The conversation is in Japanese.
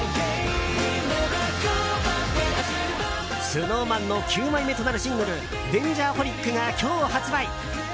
ＳｎｏｗＭａｎの９枚目となるシングル「Ｄａｎｇｅｒｈｏｌｉｃ」が今日発売！